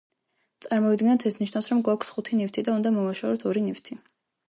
წარმოვიდგინოთ, ეს ნიშნავს რომ გვაქვს ხუთი ნივთი და უნდა მოვაშოროთ ორი ნივთი.